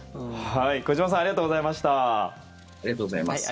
小島さんありがとうございました。